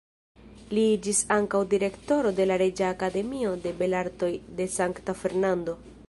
Li iĝis ankaŭ direktoro de la Reĝa Akademio de Belartoj de Sankta Fernando.